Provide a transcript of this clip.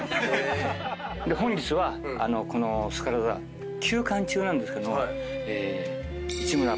本日はこのスカラ座休館中なんですけど。